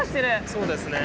そうですね。